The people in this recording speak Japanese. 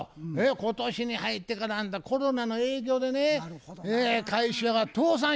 今年に入ってからあんたコロナの影響でね会社が倒産しましたんや。